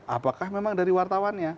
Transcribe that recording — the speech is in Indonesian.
apakah memang dari wartawannya